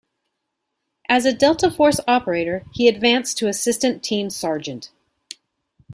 As a Delta Force operator, he advanced to Assistant Team Sergeant.